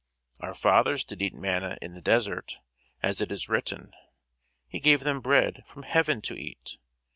Our fathers did eat manna in the desert; as it is written, He gave them bread from heaven to eat.